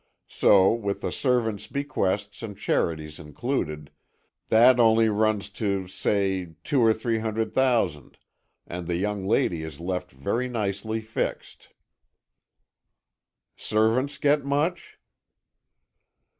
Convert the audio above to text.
So with the servants' bequests and charities included, that only runs to, say, two or three hundred thousand, and the young lady is left very nicely fixed." "Servants get much?"